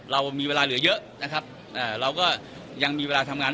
เรามีเวลาเหลือเยอะนะครับเราก็ยังมีเวลาทำงาน